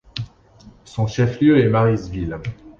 Son chef-lieu est Marysville.